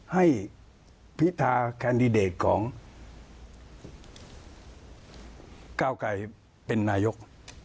พิธาแคนดิเดตของก้าวไกรเป็นนายก